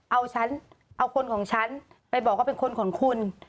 เอาฉันเอาคนของฉันไปบอกว่าเป็นคนของคุณ